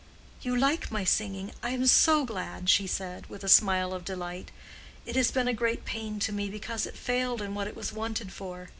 "You like my singing? I am so glad," she said, with a smile of delight. "It has been a great pain to me, because it failed in what it was wanted for.